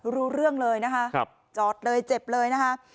รู้เรื่องเลยนะคะจอดเลยเจ็บเลยนะคะ